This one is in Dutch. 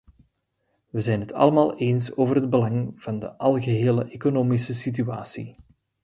We zijn het allemaal eens over het belang van de algehele economische situatie.